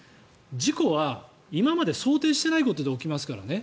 事故は今まで想定してないことで起きますからね。